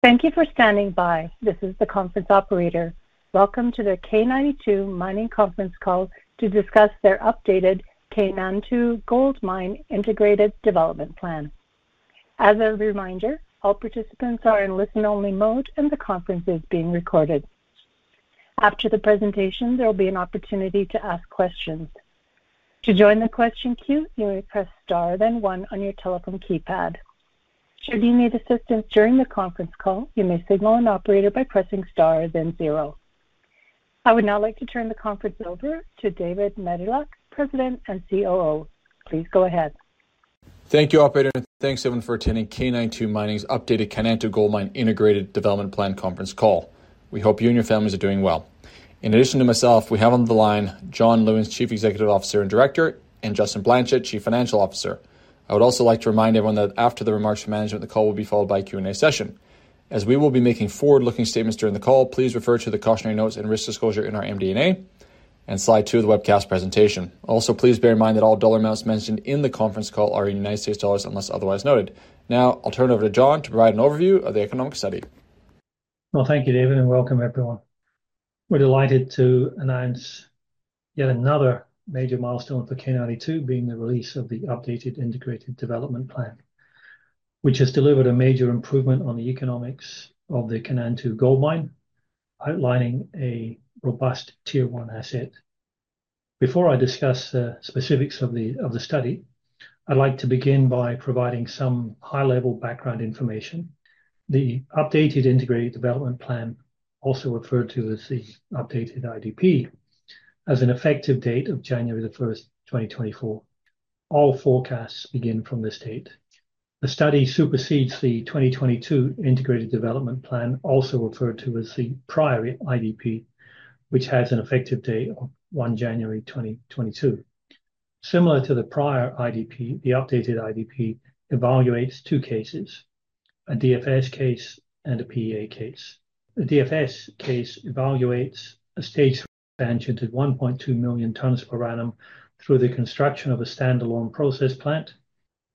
Thank you for standing by. This is the conference operator. Welcome to the K92 Mining conference call to discuss their updated Kainantu Gold Mine Integrated Development Plan. As a reminder, all participants are in listen-only mode, and the conference is being recorded. After the presentation, there will be an opportunity to ask questions. To join the question queue, you may press Star, then one on your telephone keypad. Should you need assistance during the conference call, you may signal an operator by pressing Star, then zero. I would now like to turn the conference over to David Medilek, President and COO. Please go ahead. Thank you, operator, and thanks, everyone, for attending K92 Mining's updated Kainantu Gold Mine Integrated Development Plan conference call. We hope you and your families are doing well. In addition to myself, we have on the line John Lewins, Chief Executive Officer and Director, and Justin Blanchet, Chief Financial Officer. I would also like to remind everyone that after the remarks from management, the call will be followed by a Q&A session. As we will be making forward-looking statements during the call, please refer to the cautionary notes and risk disclosure in our MD&A and slide two of the webcast presentation. Also, please bear in mind that all dollar amounts mentioned in the conference call are in United States dollars, unless otherwise noted. Now, I'll turn it over to John to provide an overview of the economic study. Thank you, David, and welcome everyone. We're delighted to announce yet another major milestone for K92, being the release of the updated Integrated Development Plan, which has delivered a major improvement on the economics of the Kainantu Gold Mine, outlining a robust Tier 1 asset. Before I discuss the specifics of the study, I'd like to begin by providing some high-level background information. The updated Integrated Development Plan, also referred to as the updated IDP, has an effective date of January 1, 2024. All forecasts begin from this date. The study supersedes the 2022 Integrated Development Plan, also referred to as the prior IDP, which has an effective date of January 1, 2022. Similar to the prior IDP, the updated IDP evaluates two cases, a DFS Case and a PEA Case. The DFS Case evaluates a stage expansion to 1.2 million tons per annum through the construction of a standalone process plant,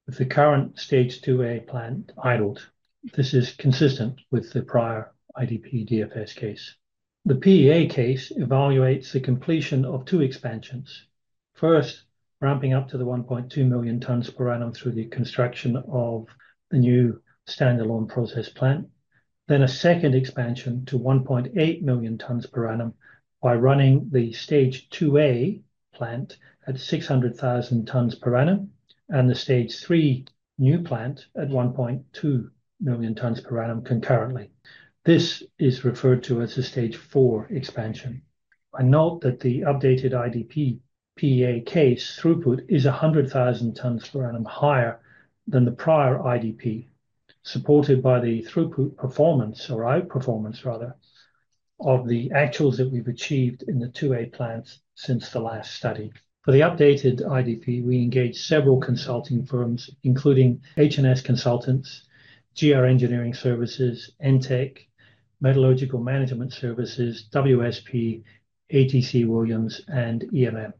with the current Stage 2A plant idled. This is consistent with the prior IDP DFS Case. The PEA Case evaluates the completion of two expansions. First, ramping up to the 1.2 million tons per annum through the construction of the new standalone process plant, then a second expansion to 1.8 million tons per annum by running the Stage 2A plant at 600,000 tons per annum and the Stage 3 new plant at 1.2 million tons per annum concurrently. This is referred to as a Stage 4 expansion. I note that the updated IDP, PEA Case throughput is 100,000 tons per annum, higher than the prior IDP, supported by the throughput performance or outperformance rather, of the actuals that we've achieved in the 2A Plants since the last study. For the updated IDP, we engaged several consulting firms, including H&S Consultants, GR Engineering Services, Entech, Metallurgical Management Services, WSP, ATC Williams, and EMM.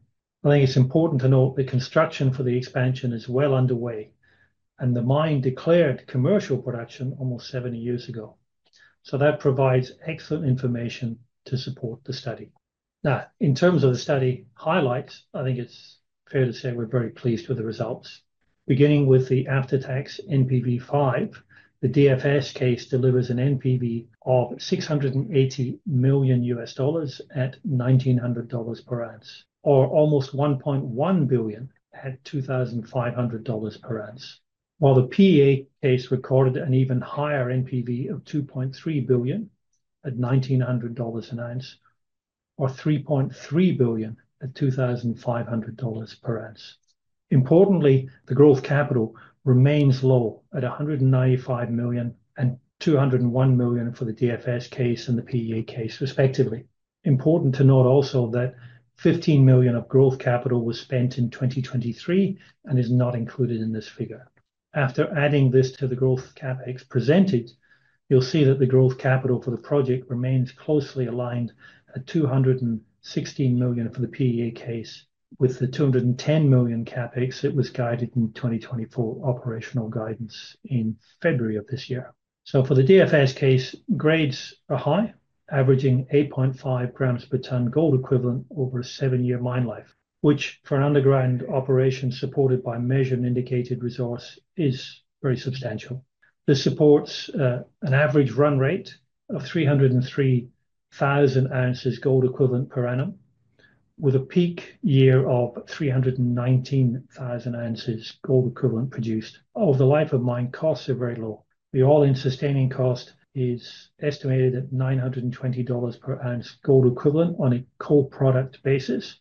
I think it's important to note the construction for the expansion is well underway, and the mine declared commercial production almost seven years ago, so that provides excellent information to support the study. Now, in terms of the study highlights, I think it's fair to say we're very pleased with the results. Beginning with the After-Tax NPV5%, the DFS Case delivers an NPV of $680 million at $1,900 per ounce, or almost $1.1 billion at $2,500 per ounce, while the PEA Case recorded an even higher NPV of $2.3 billion at $1,900 an ounce or $3.3 billion at $2,500 per ounce. Importantly, the growth capital remains low at $195 million and $201 million for the DFS Case and the PEA Case respectively. Important to note also that $15 million of growth capital was spent in 2023 and is not included in this figure. After adding this to the growth CapEx presented, you'll see that the growth capital for the project remains closely aligned at $216 million for the PEA Case, with the $210 million CapEx it was guided in 2024 operational guidance in February of this year. So for the DFS Case, grades are high, averaging 8.5 grams per ton gold equivalent over a seven-year mine life, which for an underground operation supported by measured and indicated resource, is very substantial. This supports an average run rate of 303,000 ounces gold equivalent per annum, with a peak year of 319,000 ounces gold equivalent produced. Over the life of mine, costs are very low. The all-in sustaining cost is estimated at $920 per ounce gold equivalent on a co-product basis,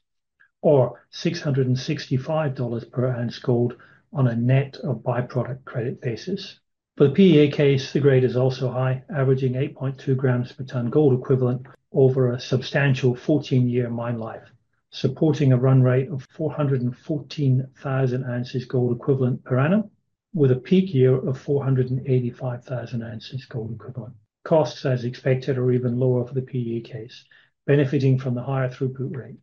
or $665 per ounce gold on a net of byproduct credit basis. For the PEA Case, the grade is also high, averaging 8.2 grams per ton gold equivalent over a substantial 14-year mine life, supporting a run rate of 414,000 ounces gold equivalent per annum, with a peak year of 485,000 ounces gold equivalent. Costs, as expected, are even lower for the PEA Case, benefiting from the higher throughput rate.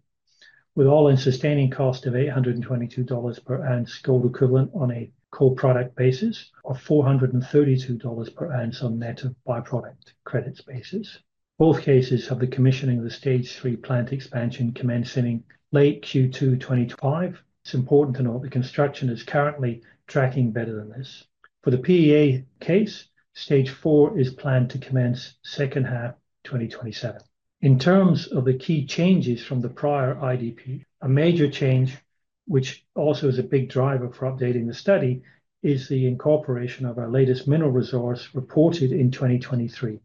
With all-in sustaining cost of $822 per ounce gold equivalent on a co-product basis of $432 per ounce on net of byproduct credits basis. Both cases of the commissioning of the Stage 3 plant expansion commencing late Q2 2025. It's important to note the construction is currently tracking better than this. For the PEA Case, Stage 4 is planned to commence second half 2027. In terms of the key changes from the prior IDP, a major change, which also is a big driver for updating the study, is the incorporation of our latest mineral resource reported in 2023,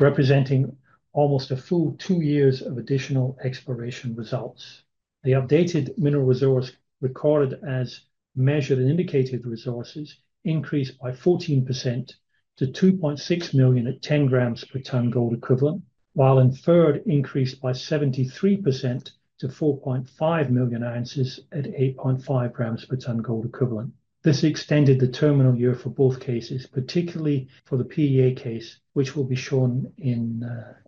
representing almost a full two years of additional exploration results. The updated mineral resource, recorded as measured and indicated resources, increased by 14% to 2.6 million at 10 grams per tonne gold equivalent, while inferred increased by 73% to 4.5 million ounces at 8.5 grams per tonne gold equivalent. This extended the terminal year for both cases, particularly for the PEA Case, which will be shown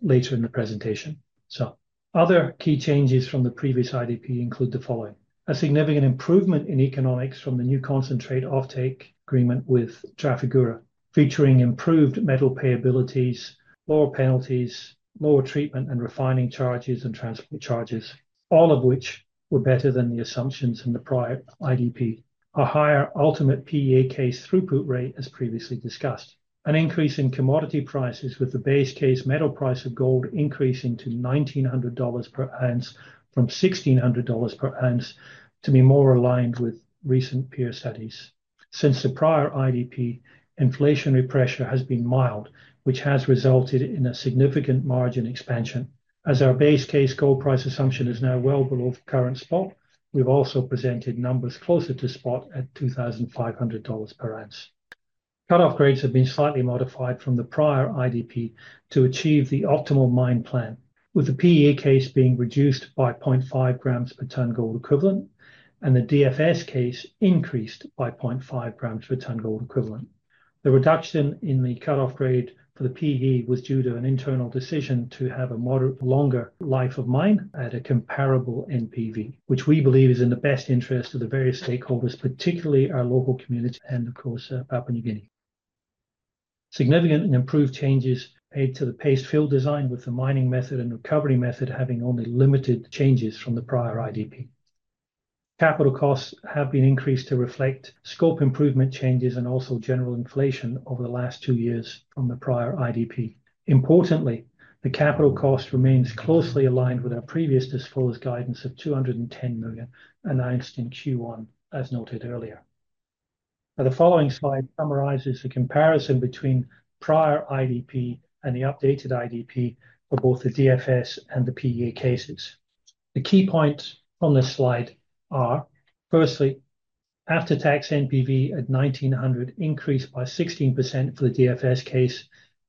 later in the presentation. So other key changes from the previous IDP include the following: a significant improvement in economics from the new concentrate offtake agreement with Trafigura, featuring improved metal payabilities, lower penalties, lower treatment and refining charges and transport charges, all of which were better than the assumptions in the prior IDP. A higher ultimate PEA Case throughput rate, as previously discussed. An increase in commodity prices, with the base case metal price of gold increasing to $1,900 per ounce from $1,600 per ounce to be more aligned with recent peer studies. Since the prior IDP, inflationary pressure has been mild, which has resulted in a significant margin expansion. As our base case gold price assumption is now well below the current spot, we've also presented numbers closer to spot at $2,500 per ounce. Cut-off grades have been slightly modified from the prior IDP to achieve the optimal mine plan, with the PEA Case being reduced by 0.5 grams per tonne gold equivalent, and the DFS Case increased by 0.5 grams per tonne gold equivalent. The reduction in the cut-off grade for the PEA was due to an internal decision to have a moderate longer life of mine at a comparable NPV, which we believe is in the best interest of the various stakeholders, particularly our local community and of course, Papua New Guinea. Significant and improved changes made to the paste fill design, with the mining method and recovery method having only limited changes from the prior IDP. Capital costs have been increased to reflect scope improvement changes and also general inflation over the last two years from the prior IDP. Importantly, the capital cost remains closely aligned with our previous disclosed guidance of $210 million announced in Q1, as noted earlier. Now, the following slide summarizes the comparison between prior IDP and the updated IDP for both the DFS and the PEA Cases. The key points on this slide are, firstly, After-Tax NPV at $1,900 increased by 16% for the DFS Case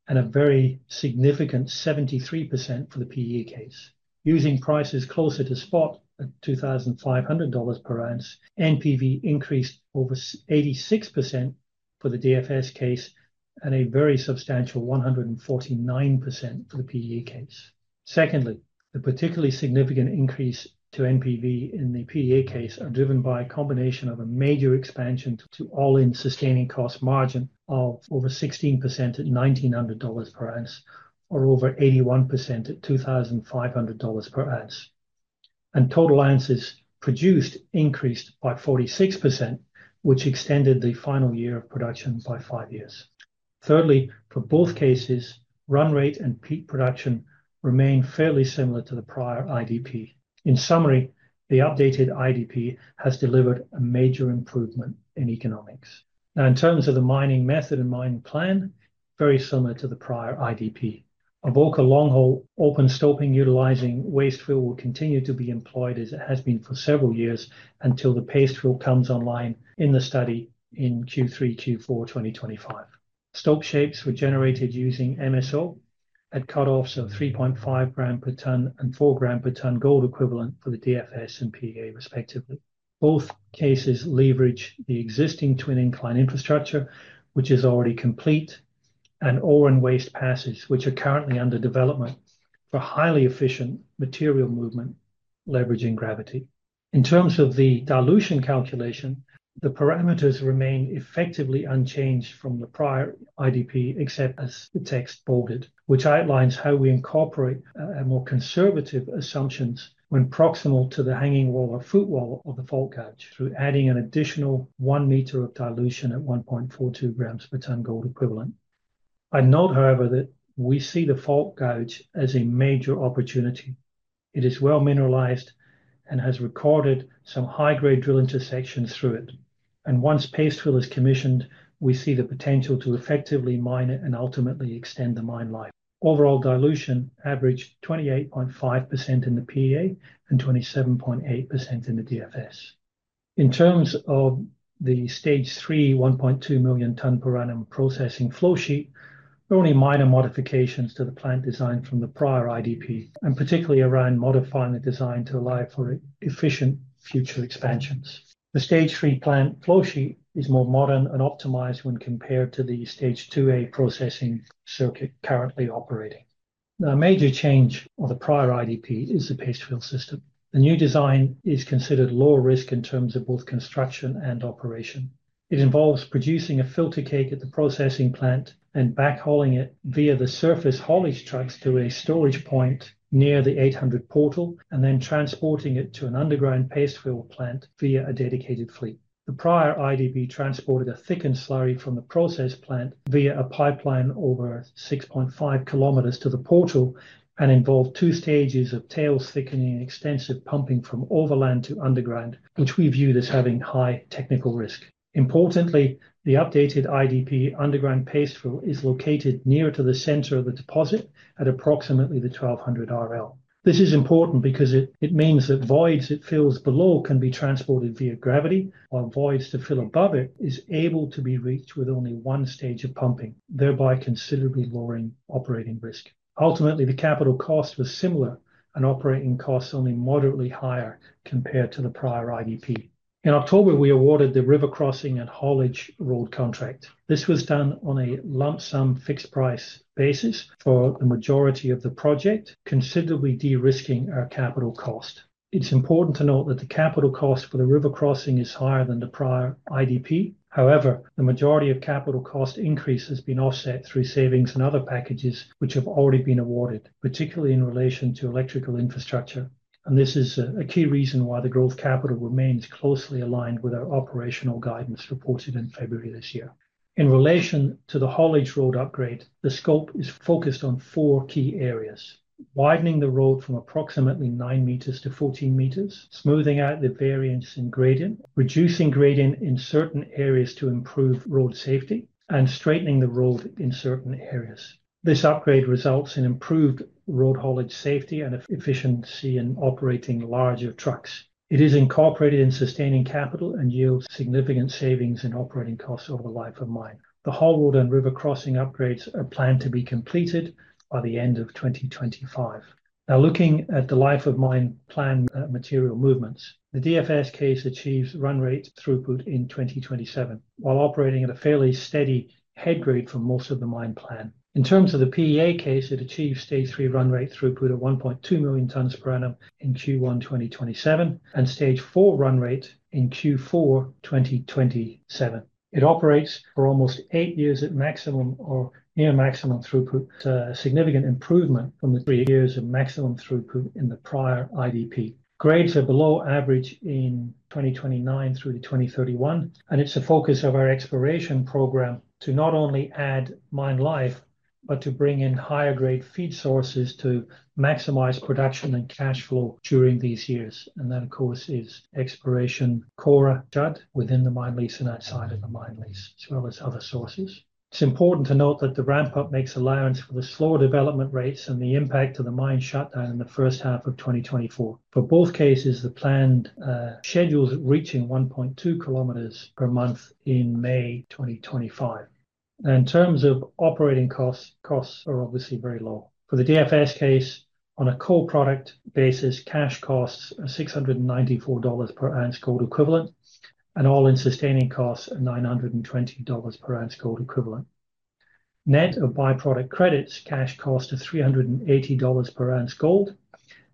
and a very significant 73% for the PEA Case. Using prices closer to spot at $2,500 per ounce, NPV increased over 86% for the DFS Case and a very substantial 149% for the PEA Case. Secondly, the particularly significant increase to NPV in the PEA Case are driven by a combination of a major expansion to all-in sustaining cost margin of over 16% at $1,900 per ounce, or over 81% at $2,500 per ounce, and total ounces produced increased by 46%, which extended the final year of production by five years. Thirdly, for both cases, run rate and peak production remained fairly similar to the prior IDP. In summary, the updated IDP has delivered a major improvement in economics. Now, in terms of the mining method and mining plan, very similar to the prior IDP. A bulk long-haul open stoping utilizing waste rock will continue to be employed, as it has been for several years, until the paste fill comes online in the study in Q3, Q4 2025. Stope shapes were generated using MSO at cut-offs of 3.5 gram per tonne and 4 gram per tonne gold equivalent for the DFS and PEA respectively. Both cases leverage the existing twin incline infrastructure, which is already complete, and ore and waste passes, which are currently under development for highly efficient material movement, leveraging gravity. In terms of the dilution calculation, the parameters remain effectively unchanged from the prior IDP, except as the text bolded, which outlines how we incorporate a more conservative assumptions when proximal to the hanging wall or footwall of the fault gouge, through adding an additional one meter of dilution at one point four two grams per tonne gold equivalent. I note, however, that we see the fault gouge as a major opportunity. It is well mineralized and has recorded some high-grade drill intersections through it, and once paste fill is commissioned, we see the potential to effectively mine it and ultimately extend the mine life. Overall dilution averaged 28.5% in the PEA and 27.8% in the DFS. In terms of the Stage 3, 1.2 million tonne per annum processing flow sheet, only minor modifications to the plant design from the prior IDP, and particularly around modifying the design to allow for efficient future expansions. The Stage 3 plant flow sheet is more modern and optimized when compared to the Stage 2A processing circuit currently operating. The major change on the prior IDP is the paste fill system. The new design is considered low risk in terms of both construction and operation. It involves producing a filter cake at the processing plant and backhauling it via the surface haulage trucks to a storage point near the 800 portal, and then transporting it to an underground paste fill plant via a dedicated fleet. The prior IDP transported a thickened slurry from the process plant via a pipeline over 6.5 km to the portal, and involved two stages of tails thickening and extensive pumping from overland to underground, which we view as having high technical risk. Importantly, the updated IDP underground paste fill is located nearer to the center of the deposit at approximately the 1,200 RL. This is important because it means that voids it fills below can be transported via gravity, while voids to fill above it is able to be reached with only one stage of pumping, thereby considerably lowering operating risk. Ultimately, the capital cost was similar, and operating costs only moderately higher compared to the prior IDP. In October, we awarded the river crossing and haulage road contract. This was done on a lump sum, fixed price basis for the majority of the project, considerably de-risking our capital cost. It's important to note that the capital cost for the river crossing is higher than the prior IDP. However, the majority of capital cost increase has been offset through savings and other packages which have already been awarded, particularly in relation to electrical infrastructure. This is a key reason why the growth capital remains closely aligned with our operational guidance reported in February this year. In relation to the haulage road upgrade, the scope is focused on four key areas: widening the road from approximately nine meters to 14 m, smoothing out the variance in gradient, reducing gradient in certain areas to improve road safety, and straightening the road in certain areas. This upgrade results in improved road haulage safety and efficiency in operating larger trucks. It is incorporated in sustaining capital and yields significant savings in operating costs over the life of mine. The haul road and river crossing upgrades are planned to be completed by the end of 2025. Now, looking at the life of mine plan, material movements, the DFS Case achieves run rate throughput in 2027, while operating at a fairly steady head grade for most of the mine plan. In terms of the PEA Case, it achieves Stage 3 run rate throughput of 1.2 million tonnes per annum in Q1 2027, and Stage 4 run rate in Q4 2027. It operates for almost eight years at maximum or near maximum throughput. It's a significant improvement from the three years of maximum throughput in the prior IDP. Grades are below average in 2029 through to 2031, and it's a focus of our exploration program to not only add mine life, but to bring in higher grade feed sources to maximize production and cash flow during these years. And that, of course, is Exploration Kora Judd, within the mine lease and outside of the mine lease, as well as other sources. It's important to note that the ramp-up makes allowance for the slower development rates and the impact of the mine shutdown in the first half of 2024. For both cases, the planned schedules reaching 1.2 km per month in May 2025. In terms of operating costs, costs are obviously very low. For the DFS Case, on a co-product basis, cash costs are $694 per ounce gold equivalent, and all-in sustaining costs are $920 per ounce gold equivalent. Net of byproduct credits, cash cost of $380 per ounce gold,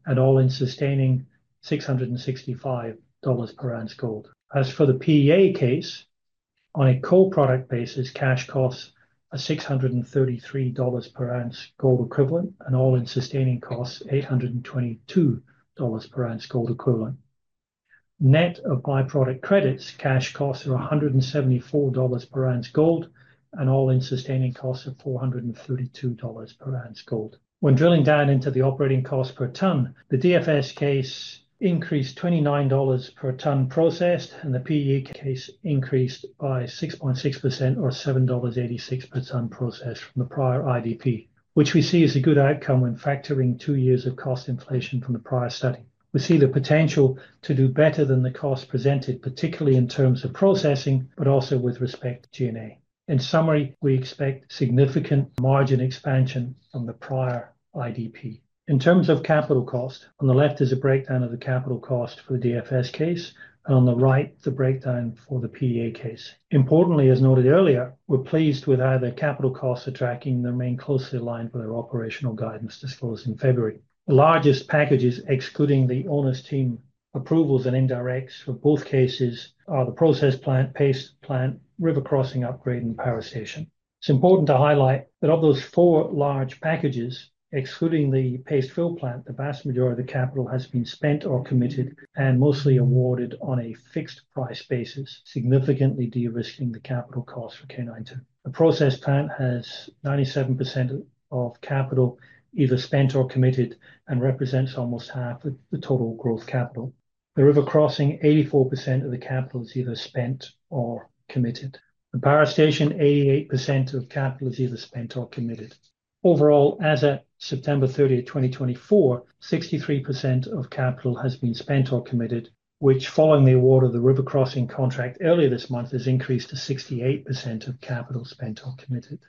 and all-in sustaining, $665 per ounce gold. As for the PEA Case, on a co-product basis, cash costs are $633 per ounce gold equivalent, and all-in sustaining costs, $822 per ounce gold equivalent. Net of byproduct credits, cash costs are $174 per ounce gold, and all-in sustaining costs are $432 per ounce gold. When drilling down into the operating cost per ton, the DFS Case increased $29 per ton processed, and the PEA Case increased by 6.6% or $7.86 per ton processed from the prior IDP, which we see as a good outcome when factoring two years of cost inflation from the prior study. We see the potential to do better than the cost presented, particularly in terms of processing, but also with respect to G&A. In summary, we expect significant margin expansion from the prior IDP. In terms of capital cost, on the left is a breakdown of the capital cost for the DFS Case, and on the right, the breakdown for the PEA Case. Importantly, as noted earlier, we're pleased with how the capital costs are tracking and remain closely aligned with our operational guidance disclosed in February. The largest packages, excluding the owner's team approvals and indirects for both cases, are the process plant, paste plant, river crossing upgrade, and power station. It's important to highlight that of those four large packages, excluding the paste fill plant, the vast majority of the capital has been spent or committed, and mostly awarded on a fixed price basis, significantly de-risking the capital cost for K92. The process plant has 97% of capital either spent or committed, and represents almost half of the total growth capital. The river crossing, 84% of the capital is either spent or committed. The power station, 88% of capital is either spent or committed. Overall, as at September 30, 2024, 63% of capital has been spent or committed, which, following the award of the river crossing contract earlier this month, has increased to 68% of capital spent or committed.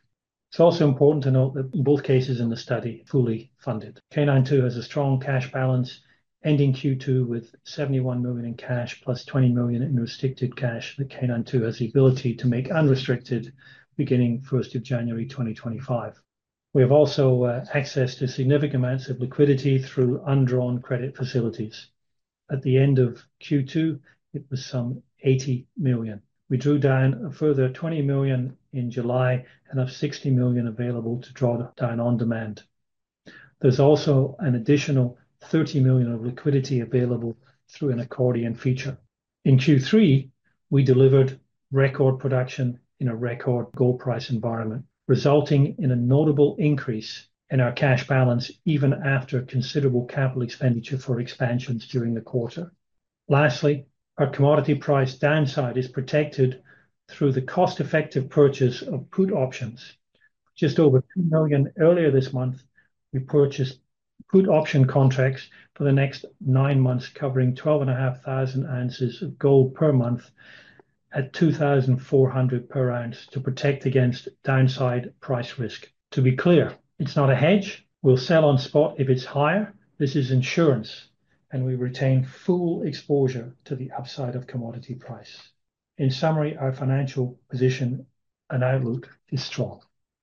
It's also important to note that both cases in the study are fully funded. K92 has a strong cash balance, ending Q2 with $71 million in cash plus $20 million in restricted cash that K92 has the ability to make unrestricted beginning first of January 2025. We have also access to significant amounts of liquidity through undrawn credit facilities. At the end of Q2, it was some $80 million. We drew down a further $20 million in July, and have $60 million available to draw down on demand. There's also an additional $30 million of liquidity available through an accordion feature. In Q3, we delivered record production in a record gold price environment, resulting in a notable increase in our cash balance, even after considerable capital expenditure for expansions during the quarter. Lastly, our commodity price downside is protected through the cost-effective purchase of put options. Just over 2 million earlier this month, we purchased put option contracts for the next nine months, covering 12,500 ounces of gold per month at $2,400 per ounce to protect against downside price risk. To be clear, it's not a hedge. We'll sell on spot if it's higher. This is insurance, and we retain full exposure to the upside of commodity price. In summary, our financial position and outlook is strong.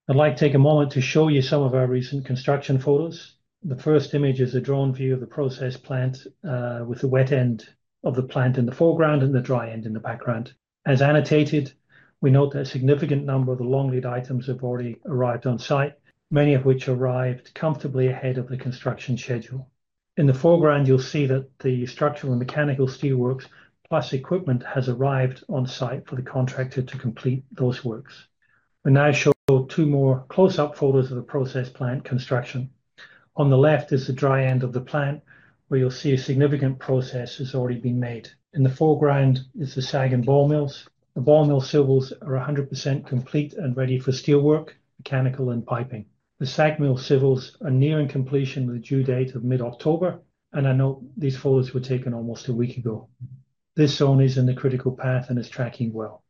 I'd like to take a moment to show you some of our recent construction photos. The first image is a drawn view of the process plant, with the wet end of the plant in the foreground and the dry end in the background. As annotated, we note that a significant number of the long lead items have already arrived on site, many of which arrived comfortably ahead of the construction schedule. In the foreground, you'll see that the structural and mechanical steelworks, plus equipment, has arrived on site for the contractor to complete those works. We now show two more close-up photos of the process plant construction. On the left is the dry end of the plant, where you'll see a significant progress has already been made. In the foreground is the SAG and ball mills. The ball mill civils are 100% complete and ready for steelwork, mechanical, and piping. The SAG mill civils are nearing completion with a due date of mid-October, and I know these photos were taken almost a week ago. This zone is in the critical path and is tracking well.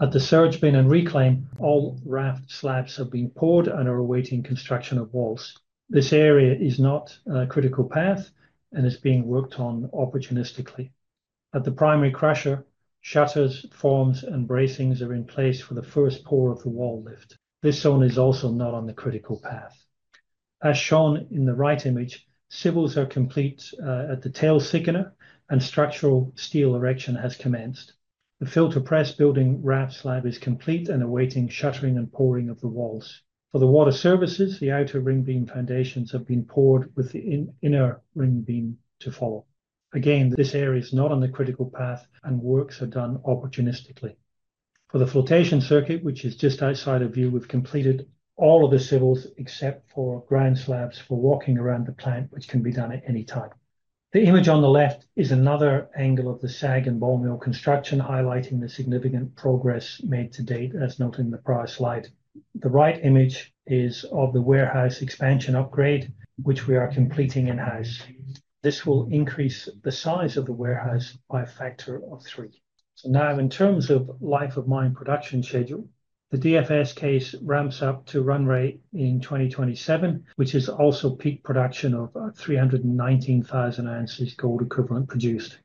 At the surge bin and reclaim, all raft slabs have been poured and are awaiting construction of walls. This area is not a critical path and is being worked on opportunistically. At the primary crusher, shutters, forms, and bracings are in place for the first pour of the wall lift. This zone is also not on the critical path. As shown in the right image, civils are complete at the tail thickener and structural steel erection has commenced. The filter press building raft slab is complete and awaiting shuttering and pouring of the walls. For the water services, the outer ring beam foundations have been poured, with the inner ring beam to follow. Again, this area is not on the critical path, and works are done opportunistically. For the flotation circuit, which is just outside of view, we've completed all of the civils except for ground slabs for walking around the plant, which can be done at any time. The image on the left is another angle of the SAG and ball mill construction, highlighting the significant progress made to date, as noted in the prior slide. The right image is of the warehouse expansion upgrade, which we are completing in-house. This will increase the size of the warehouse by a factor of three. So now, in terms of life of mine production schedule, the DFS Case ramps up to run rate in 2027, which is also peak production of 319,000 ounces gold equivalent produced.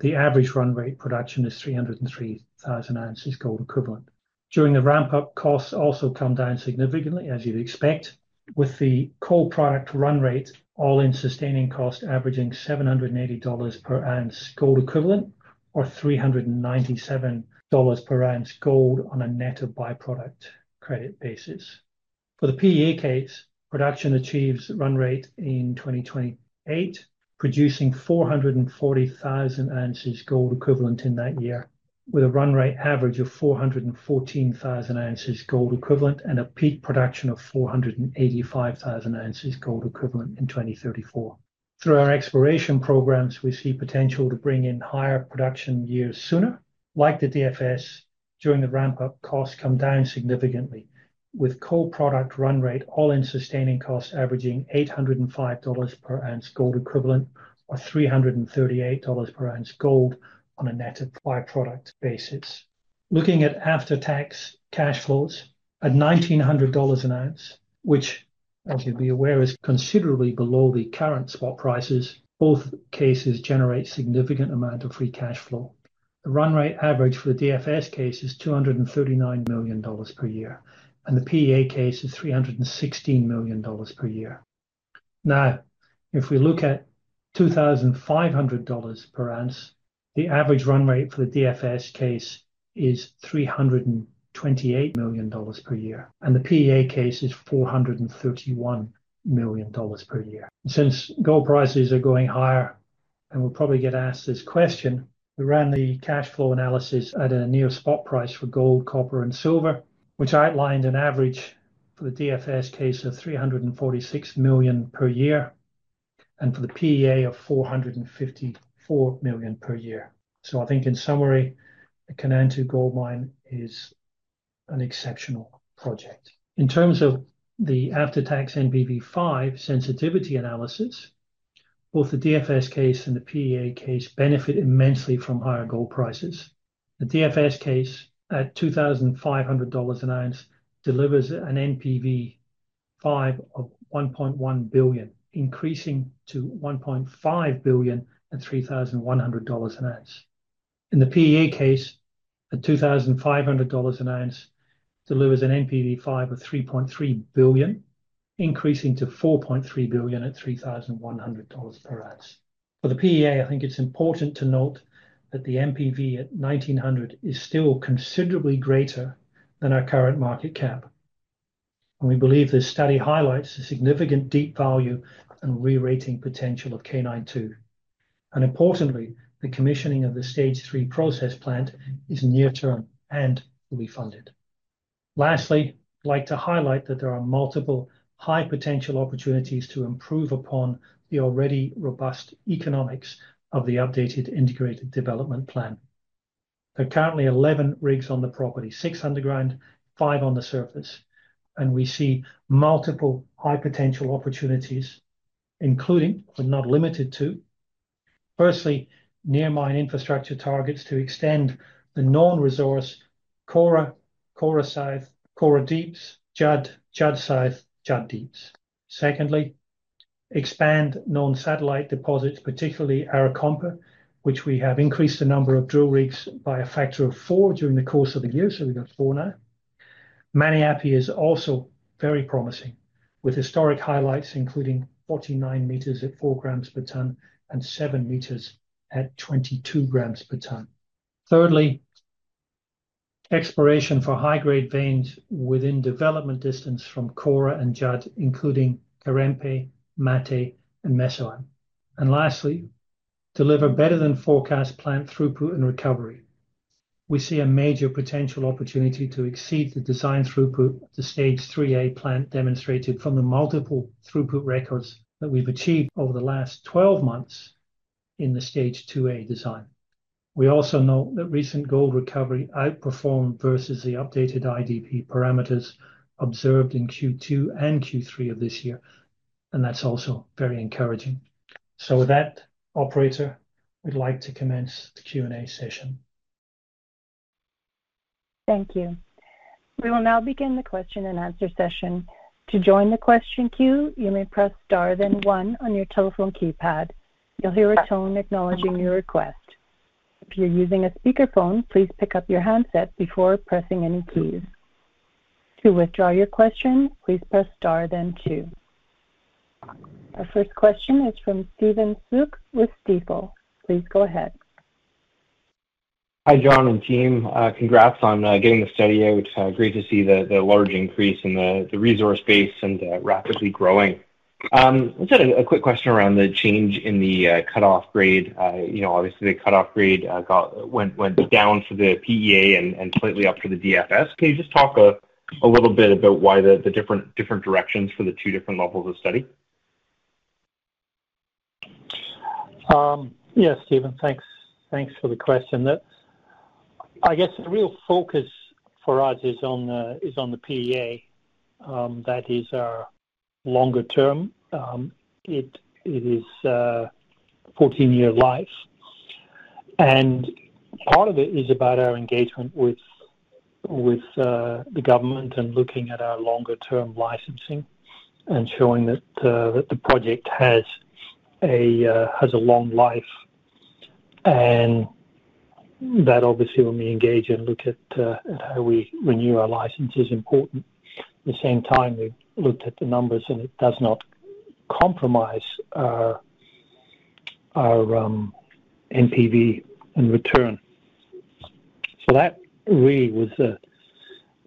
The average run rate production is 303,000 ounces gold equivalent. During the ramp-up, costs also come down significantly, as you'd expect, with the Kora product run rate all-in sustaining cost averaging $780 per ounce gold equivalent, or $397 per ounce gold on a net of by-product credit basis. For the PEA Case, production achieves run rate in 2028, producing 440,000 ounces gold equivalent in that year, with a run rate average of 414,000 ounces gold equivalent, and a peak production of 485,000 ounces gold equivalent in 2034. Through our exploration programs, we see potential to bring in higher production years sooner. Like the DFS, during the ramp-up, costs come down significantly, with gold product run rate all-in sustaining costs averaging $805 per ounce gold equivalent or $338 per ounce gold on a net of by-product basis. Looking at After-Tax cash flows, at $1,900 an ounce, which, as you'd be aware, is considerably below the current spot prices, both cases generate significant amount of free cash flow. The run rate average for the DFS Case is $239 million per year, and the PEA Case is $316 million per year. Now, if we look at $2,500 per ounce, the average run rate for the DFS Case is $328 million per year, and the PEA Case is $431 million per year. Since gold prices are going higher, and we'll probably get asked this question, we ran the cash flow analysis at a near spot price for gold, copper, and silver, which outlined an average for the DFS Case of $346 million per year, and for the PEA of $454 million per year. So I think in summary, the Kainantu Gold Mine is an exceptional project. In terms of the After-Tax NPV5% sensitivity analysis, both the DFS Case and the PEA Case benefit immensely from higher gold prices. The DFS Case, at $2,500 an ounce, delivers an NPV5 of $1.1 billion, increasing to $1.5 billion at $3,100 an ounce. In the PEA Case, at $2,500 an ounce delivers an NPV5 of $3.3 billion, increasing to $4.3 billion at $3,100 per ounce. For the PEA, I think it's important to note that the NPV at $1,900 is still considerably greater than our current market cap, and we believe this study highlights the significant deep value and re-rating potential of K92. Importantly, the commissioning of the Stage 3 process plant is near-term and will be funded. Lastly, I'd like to highlight that there are multiple high potential opportunities to improve upon the already robust economics of the updated Integrated Development Plan. There are currently 11 rigs on the property, six underground, five on the surface, and we see multiple high potential opportunities, including but not limited to: firstly, near mine infrastructure targets to extend the known resource, Kora, Kora South, Kora Deeps, Judd, Judd South, Judd Deeps. Secondly, expand known satellite deposits, particularly Arakompa, which we have increased the number of drill rigs by a factor of four during the course of the year, so we've got four now. Maniape is also very promising, with historic highlights, including 49 meters at four grams per ton and seven meters at 22 grams per ton. Thirdly, exploration for high-grade veins within development distance from Kora and Judd, including Karempe, Mati, and Mesoan. And lastly, deliver better than forecast plant throughput and recovery. We see a major potential opportunity to exceed the design throughput at the Stage 3A plant, demonstrated from the multiple throughput records that we've achieved over the last twelve months in the Stage 2A design. We also know that recent gold recovery outperformed versus the updated IDP parameters observed in Q2 and Q3 of this year, and that's also very encouraging, so with that, operator, we'd like to commence the Q&A session. Thank you. We will now begin the question and answer session. To join the question queue, you may press Star then one on your telephone keypad. You'll hear a tone acknowledging your request. If you're using a speakerphone, please pick up your handset before pressing any keys. To withdraw your question, please press Star then two. Our first question is from Stephen Soock with Stifel. Please go ahead. Hi, John and team. Congrats on getting the study out. It's great to see the large increase in the resource base and rapidly growing. Just had a quick question around the change in the cut-off grade. You know, obviously, the cut-off grade went down for the PEA and slightly up for the DFS. Can you just talk a little bit about why the different directions for the two different levels of study? Yeah, Stephen, thanks. Thanks for the question. That's, I guess, the real focus for us is on the PEA. That is our longer-term. It is 14-year life, and part of it is about our engagement with the government and looking at our longer-term licensing and showing that the project has a long life, and that obviously, when we engage and look at how we renew our license, is important. At the same time, we've looked at the numbers, and it does not compromise our NPV in return. So that really was the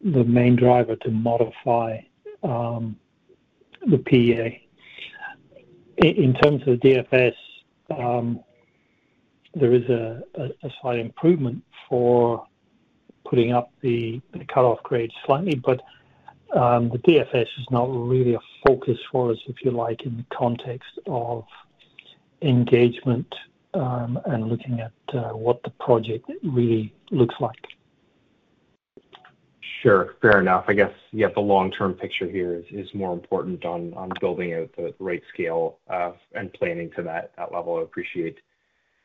main driver to modify the PEA. In terms of the DFS, there is a slight improvement for putting up the cut-off grade slightly, but the DFS is not really a focus for us, if you like, in the context of engagement, and looking at what the project really looks like. Sure. Fair enough. I guess, yeah, the long-term picture here is more important on building out the right scale and planning to that level. I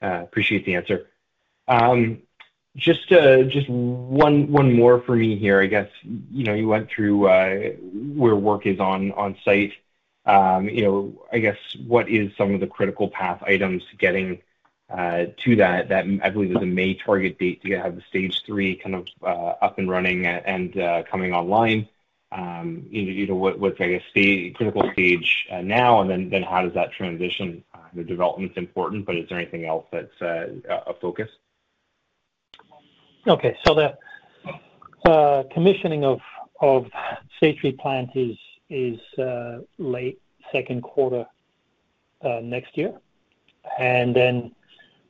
appreciate the answer. Just one more for me here, I guess. You know, you went through where work is on site. You know, I guess what is some of the critical path items getting to that I believe is the May target date to have the Stage 3 kind of up and running and coming online. You know, what's I guess the critical stage now and then how does that transition? The development's important, but is there anything else that's a focus? Okay. So the commissioning of Stage 3 Plant is late second quarter next year. And then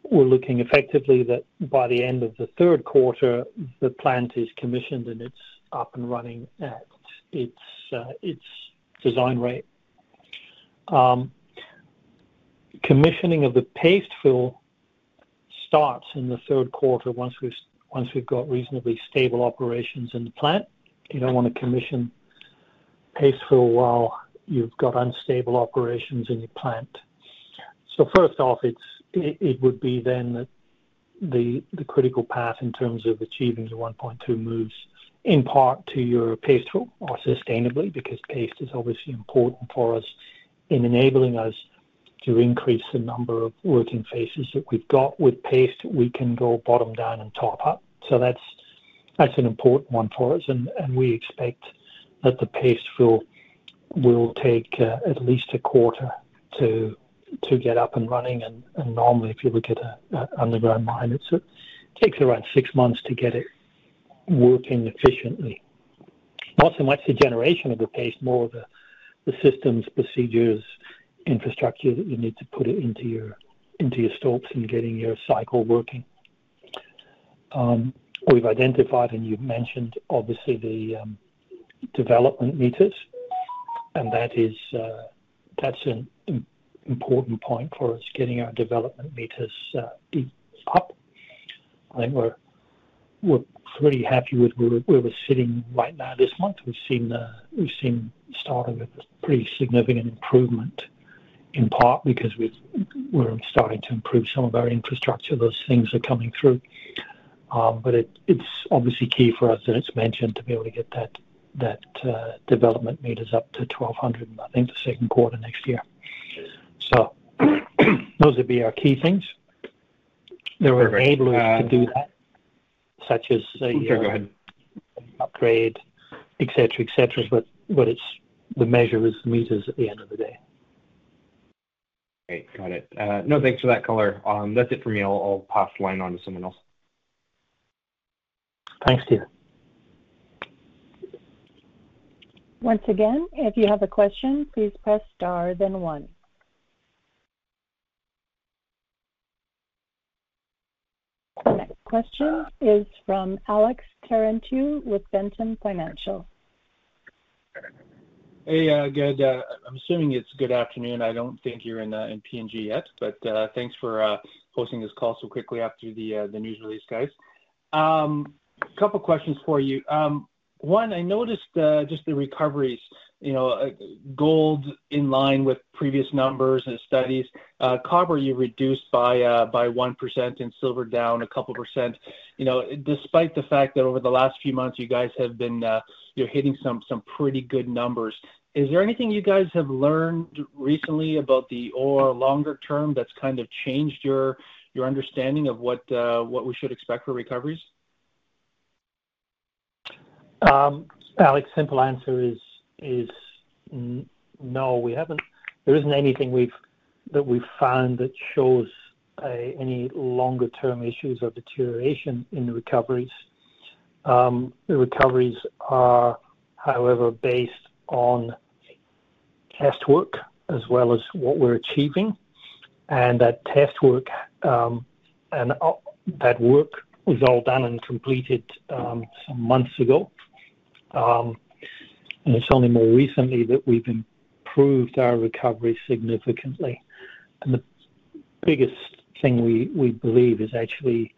we're looking effectively that by the end of the third quarter, the plant is commissioned, and it's up and running at its design rate. Commissioning of the paste fill starts in the third quarter once we've got reasonably stable operations in the plant. You don't want to commission paste fill while you've got unstable operations in your plant. So first off, it would be then that the critical path in terms of achieving the 1.2 million ounces in part due to the paste fill are sustainable, because paste is obviously important for us in enabling us. To increase the number of working faces that we've got. With paste, we can go bottom down and top up, so that's an important one for us, and we expect that the paste will take at least a quarter to get up and running. And normally, if you look at an underground mine, it takes around six months to get it working efficiently. Not so much the generation of the paste, more the systems, procedures, infrastructure that you need to put it into your stopes and getting your cycle working. We've identified, and you've mentioned, obviously, the development meters, and that is an important point for us, getting our development meters up. I think we're pretty happy with where we're sitting right now this month. We've seen the start of a pretty significant improvement, in part because we're starting to improve some of our infrastructure. Those things are coming through. But it's obviously key for us, and it's mentioned to be able to get that development meters up to 1,200, I think, the second quarter next year. So those would be our key things. Perfect. There were enablers to do that, such as, Go ahead. Upgrade, etc, etc. But, it's the measure is meters at the end of the day. Great. Got it. No, thanks for that color. That's it for me. I'll pass the line on to someone else. Thanks, Stephen. Once again, if you have a question, please press Star then one. The next question is from Alex Terentiew with Ventum Financial. Hey, good. I'm assuming it's good afternoon. I don't think you're in PNG yet, but thanks for hosting this call so quickly after the news release, guys. A couple questions for you. One, I noticed just the recoveries, you know, gold in line with previous numbers and studies. Copper, you reduced by 1%, and silver down a couple%. You know, despite the fact that over the last few months you guys have been, you're hitting some pretty good numbers. Is there anything you guys have learned recently about the ore longer-term that's kind of changed your understanding of what we should expect for recoveries? Alex, simple answer is no, we haven't. There isn't anything we've found that shows any longer-term issues or deterioration in the recoveries. The recoveries are, however, based on test work as well as what we're achieving, and that test work and that work was all done and completed some months ago. And it's only more recently that we've improved our recovery significantly. And the biggest thing we believe is actually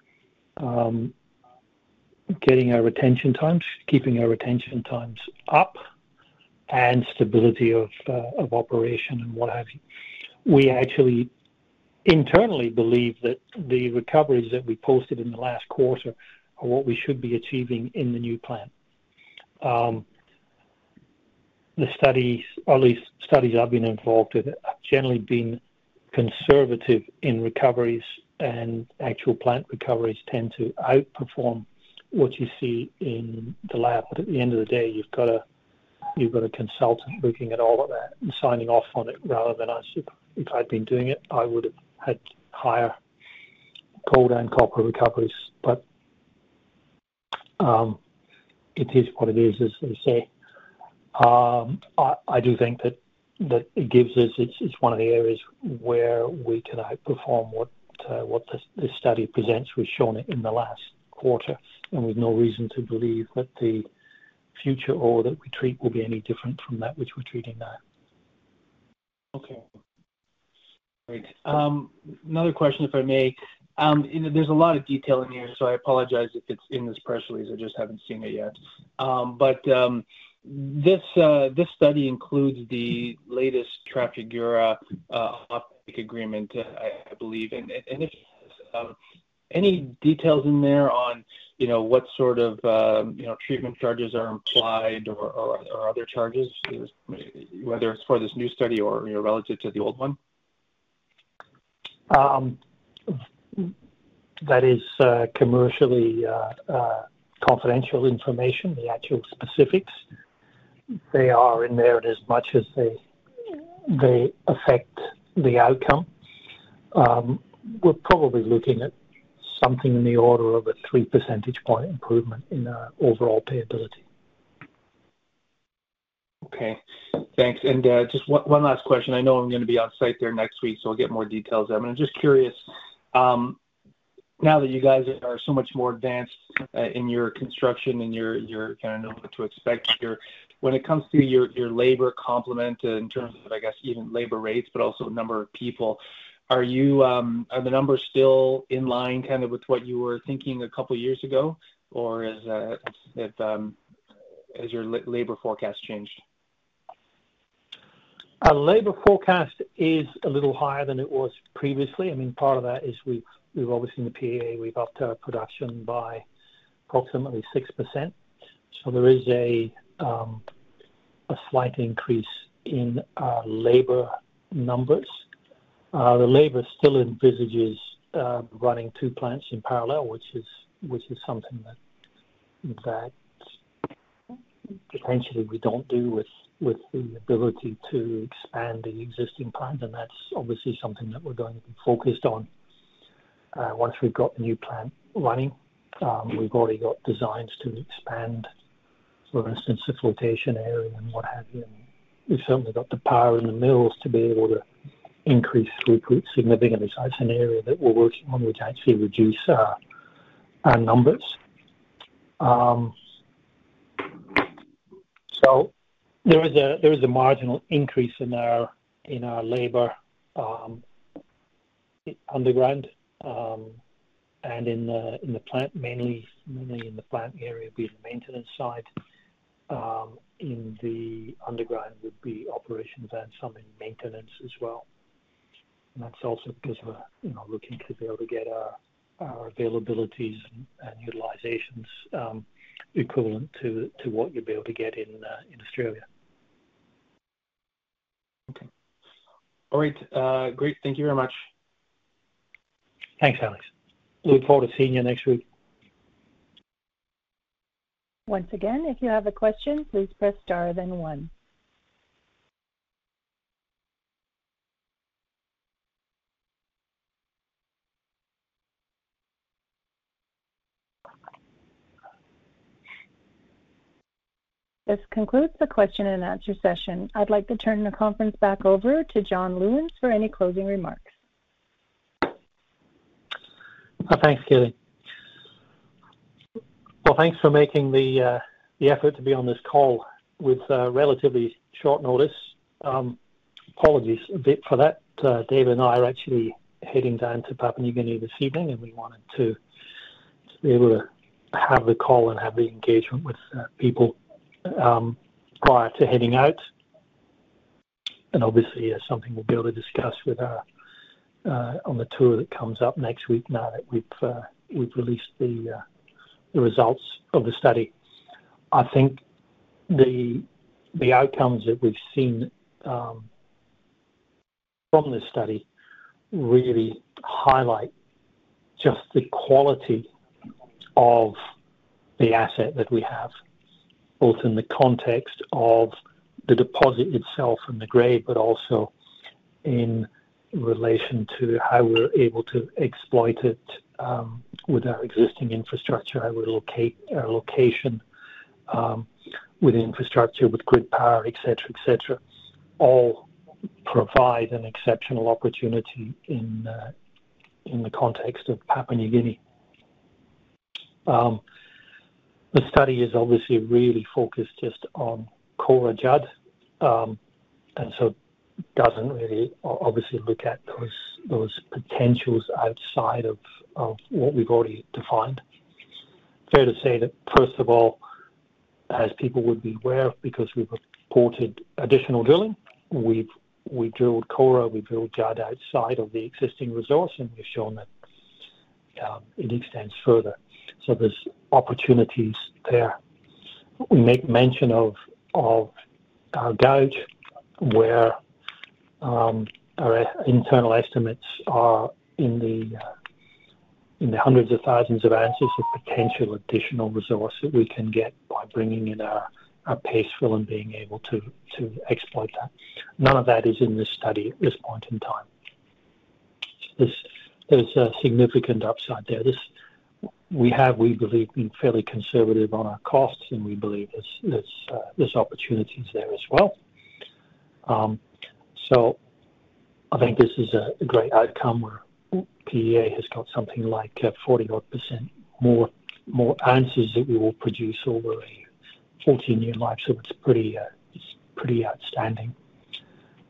getting our retention times, keeping our retention times up and stability of operation and what have you. We actually internally believe that the recoveries that we posted in the last quarter are what we should be achieving in the new plant. The studies, or at least studies I've been involved with, have generally been conservative in recoveries, and actual plant recoveries tend to outperform what you see in the lab. But at the end of the day, you've got a consultant looking at all of that and signing off on it, rather than if I'd been doing it, I would've had higher gold and copper recoveries. But it is what it is, as they say. I do think that it gives us. It's one of the areas where we can outperform what this study presents. We've shown it in the last quarter, and we've no reason to believe that the future ore that we treat will be any different from that which we're treating now. Okay. Great. Another question, if I may. You know, there's a lot of detail in here, so I apologize if it's in this press release, I just haven't seen it yet. But this study includes the latest Trafigura agreement, I believe. And if any details in there on, you know, what sort of treatment charges are implied or other charges, whether it's for this new study or, you know, relative to the old one? That is, commercially confidential information, the actual specifics. They are in there in as much as they affect the outcome. We're probably looking at something in the order of a three percentage point improvement in our overall payability. Okay. Thanks. And just one last question. I know I'm gonna be on site there next week, so I'll get more details then. But I'm just curious, now that you guys are so much more advanced in your construction and you're kind of knowing what to expect here, when it comes to your labor complement in terms of, I guess, even labor rates, but also number of people, are the numbers still in line, kind of with what you were thinking a couple of years ago? Or has your labor forecast changed? Our labor forecast is a little higher than it was previously. I mean, part of that is we've obviously in the PEA, we've upped our production by approximately 6%. So there is a slight increase in labor numbers. The labor still envisages running two plants in parallel, which is something that potentially we don't do with the ability to expand the existing plant, and that's obviously something that we're going to be focused on. Once we've got the new plant running, we've already got designs to expand, for instance, the flotation area and what have you, and we've certainly got the power in the mills to be able to increase throughput significantly, so that's an area that we're working on, which actually reduce our numbers. So there is a marginal increase in our labor underground and in the plant, mainly in the plant area, on the maintenance side. In the underground would be operations and some in maintenance as well. And that's also 'cause we're, you know, looking to be able to get our availabilities and utilizations equivalent to what you'd be able to get in Australia. Okay. All right, great. Thank you very much. Thanks, Alex. Look forward to seeing you next week. Once again, if you have a question, please press Star, then one. This concludes the question and answer session. I'd like to turn the conference back over to John Lewins for any closing remarks. Thanks, Katie. Well, thanks for making the effort to be on this call with relatively short notice. Apologies a bit for that. Dave and I are actually heading down to Papua New Guinea this evening, and we wanted to be able to have the call and have the engagement with people prior to heading out. And obviously, that's something we'll be able to discuss with our on the tour that comes up next week, now that we've released the results of the study. I think the outcomes that we've seen from this study really highlight just the quality of the asset that we have, both in the context of the deposit itself and the grade, but also in relation to how we're able to exploit it with our existing infrastructure, how we locate our location with infrastructure, with grid power, etc, etc, all provide an exceptional opportunity in the context of Papua New Guinea. The study is obviously really focused just on Kora Judd, and so doesn't really obviously look at those potentials outside of what we've already defined. Fair to say that, first of all, as people would be aware, because we've reported additional drilling, we drilled Kora, we've drilled Judd outside of the existing resource, and we've shown that it extends further. So there's opportunities there. We make mention of gouge, where our internal estimates are in the hundreds of thousands of ounces of potential additional resource that we can get by bringing in a raise drill and being able to exploit that. None of that is in this study at this point in time. There's a significant upside there. This, we have, we believe, been fairly conservative on our costs, and we believe there's opportunities there as well. So I think this is a great outcome where PEA has got something like 40-odd% more ounces that we will produce over a 14-year life. So it's pretty outstanding,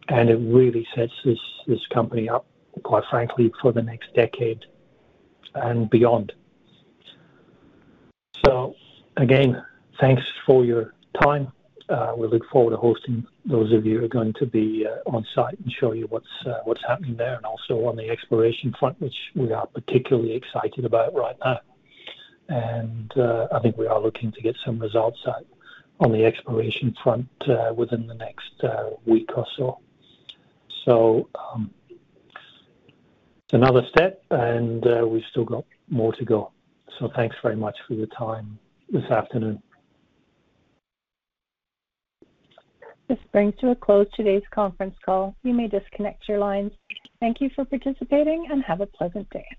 and it really sets this company up, quite frankly, for the next decade and beyond. So again, thanks for your time. We look forward to hosting those of you who are going to be on site and show you what's happening there, and also on the exploration front, which we are particularly excited about right now, and I think we are looking to get some results out on the exploration front within the next week or so, so another step, and we've still got more to go, so thanks very much for your time this afternoon. This brings to a close today's conference call. You may disconnect your lines. Thank you for participating, and have a pleasant day.